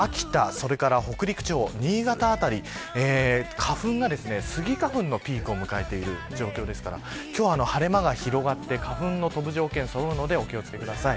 それから北陸地方、新潟辺り花粉が、スギ花粉のピークを迎えている状況ですから今日は晴れ間が広がって花粉の飛ぶ条件そろうのでお気を付けください。